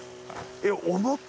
えっ？